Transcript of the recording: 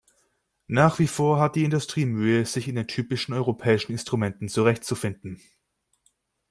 Nach wie vor hat die Industrie Mühe, sich in den typischen europäischen Instrumenten zurechtzufinden.